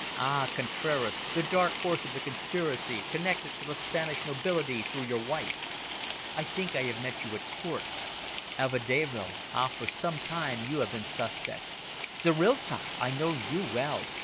"Ah, Contraras, the dark horse of the conspiracy, connected with the Spanish nobility through your wife. I think I have met you at the Court. Alvedero ah, for some time you have been suspect. Zorrilta, I know you well.